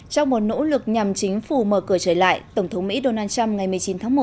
trong một nỗ lực nhằm chính phủ mở cửa trở lại tổng thống mỹ donald trump ngày một mươi chín tháng một